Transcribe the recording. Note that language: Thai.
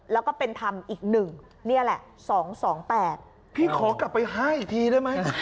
แล้วก็เป็นธรรมอีกหนึ่งเนี่ยแหละสองสองแปดพี่ขอกลับไปห้าอีกทีได้ไหม